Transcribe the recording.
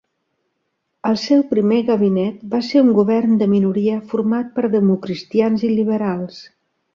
El seu primer gabinet va ser un govern de minoria format per democratacristians i liberals.